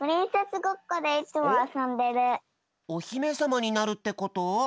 おひめさまになるってこと？